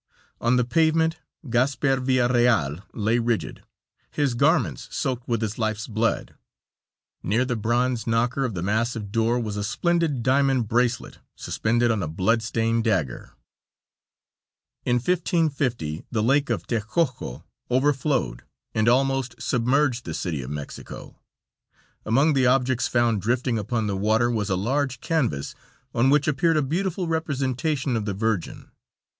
On the pavement, Gasper Villareal lay rigid, his garments soaked with his life's blood. Near the bronze knocker of the massive door was a splendid diamond bracelet, suspended on a blood stained dagger. In 1550 the lake of Texcoco overflowed, and almost submerged the City of Mexico. Among the objects found drifting upon the water was a large canvas, on which appeared a beautiful representation of the Virgin.